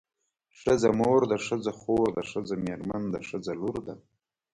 ښځه مور ده ښځه خور ده ښځه مېرمن ده ښځه لور ده.